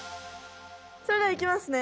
それではいきますね。